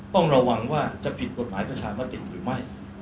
ต้องระวังว่าจะผิดกฎหมายประชามติหรือไม่